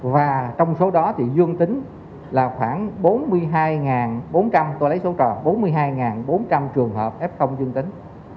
và trong số đó thì dương tính là khoảng bốn mươi hai bốn trăm linh tôi lấy số trò bốn mươi hai bốn trăm linh trường hợp f dương tính